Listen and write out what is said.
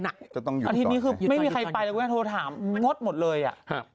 น่ะจะต้องอาทิตย์นี้คือไม่มีใครไปแต่กูได้โทรถามงดหมดเลยอ่ะฮะ